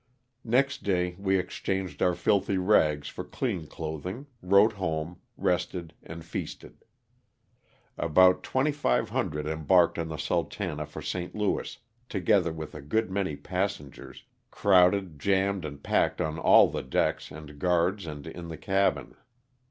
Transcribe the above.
Next day we exchanged our filthy rags for clean clothing, wrote home, rested and feasted. About 2,500 embarked on the Sultana for St Louis, together with a good many passengers, crowded, jammed and packed on all the decks and guards and in the cabin.